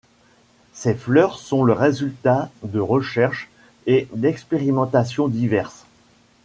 Ces fleurs sont le résultat de recherches et d'expérimentations diverses.